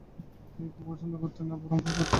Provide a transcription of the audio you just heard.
তিনি খুব পছন্দ করতেন না বরং ভয় করতেন।